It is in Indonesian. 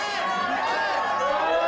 jangan jangan jangan